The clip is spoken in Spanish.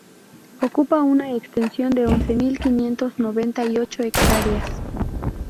Ocupa una extensión de once mil quinientos noventa y ocho hectáreas.